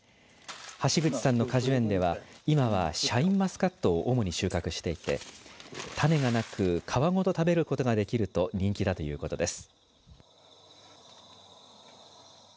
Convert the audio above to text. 橋口さんの果樹園では今はシャインマスカットを主に収穫していて種がなく皮ごと食べることができると人気だということです。